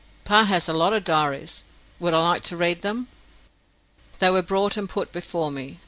"Pa has lots of diaries. Would I like to read them?" They were brought and put before me.